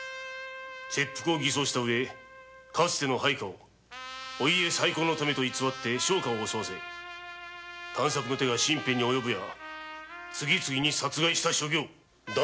切腹を偽装した上かつての配下をお家再興のためと偽って商家を襲わせ探索の手が身辺に及ぶや次々に殺害した所業断じて許さぬ！